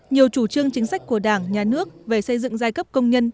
nhiều chủ trương chính sách của đảng nhà nước về xây dựng giai cấp công nhân